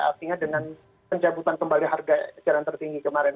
artinya dengan pencabutan kembali harga eceran tertinggi kemarin